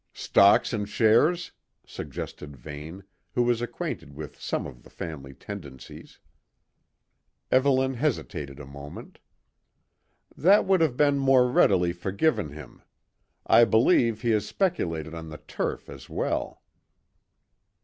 "Stocks and shares?" suggested Vane, who was acquainted with some of the family tendencies. Evelyn hesitated a moment. "That would have been more readily forgiven him. I believe he has speculated on the turf as well."